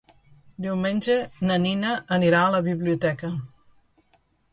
Diumenge na Nina anirà a la biblioteca.